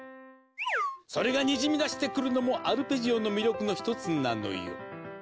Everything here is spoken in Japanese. それがにじみ出してくるのもアルペジオの魅力のひとつなのよ。